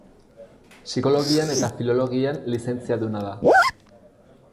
Psikologian eta filologian lizentziaduna da.